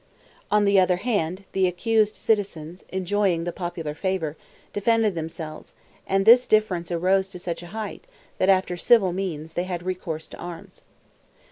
On the other hand, the accused citizens, enjoying the popular favor, defended themselves, and this difference arose to such a height, that, after civil means, they had recourse to arms.